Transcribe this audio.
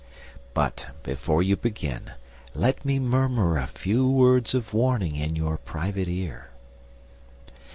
But before you begin, let me murmur a few words of warning in your private ear.